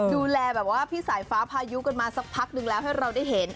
ดูแลแบบว่าพี่สายฟ้าพายุกันมาสักพักนึงแล้วให้เราได้เห็น